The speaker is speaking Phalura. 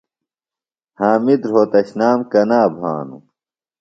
حامد رھوتشنام کنا بھانوۡ؟